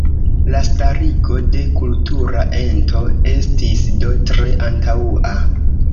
La starigo de kultura ento estis do tre antaŭa.